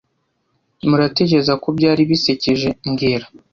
Muratekereza ko byari bisekeje mbwira